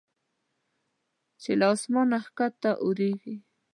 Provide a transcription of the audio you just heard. چې له اسمانه کښته اوریږي